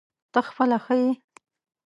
ته خپله ښه یې ؟